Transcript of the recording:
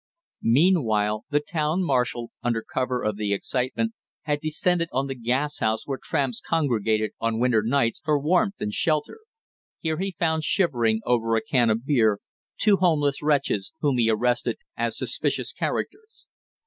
Meanwhile the town marshal, under cover of the excitement, had descended on the gas house where tramps congregated of winter nights for warmth and shelter. Here he found shivering over a can of beer, two homeless wretches, whom he arrested as suspicious characters.